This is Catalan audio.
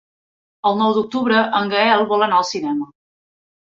El nou d'octubre en Gaël vol anar al cinema.